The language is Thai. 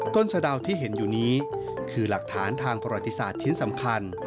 สะดาวที่เห็นอยู่นี้คือหลักฐานทางประวัติศาสตร์ชิ้นสำคัญ